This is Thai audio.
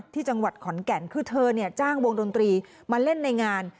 ที่จังหวัดขอนแก่นคือเธอจ้างวงดนตรีมาเล่นในงาน